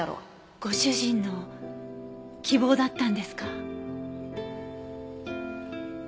ご主人の希望だったんですか？